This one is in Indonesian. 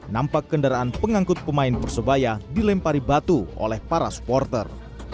nampak kendaraan pengangkut pemain persebaya dilempari batu oleh para supporter